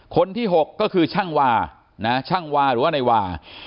คนที่๖ก็คือช่างวานะช่างวาหรือว่านายวา